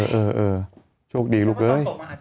เฮ้อโชคดีลูกเลย